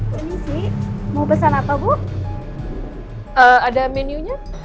tunggu sebentar ya hebat harus ikut ini dulu